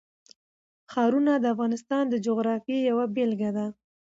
ښارونه د افغانستان د جغرافیې یوه بېلګه ده.